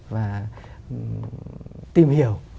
và tìm hiểu